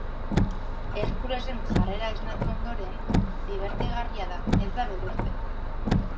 Herkulesen jarrera esnatu ondoren dibertigarria da, ez da beldurtzen.